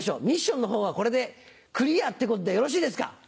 ミッションのほうはこれでクリアってことでよろしいですか？